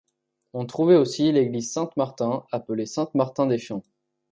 On trouvait aussi l'église Saint-Martin, appelée Saint-Martin-des-Champs.